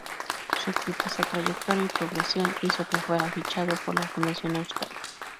Su exitosa trayectoria y progresión hizo que fuera fichado por la Fundación Euskadi.